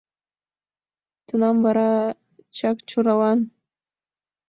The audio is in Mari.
Тунам вара Чакчоралан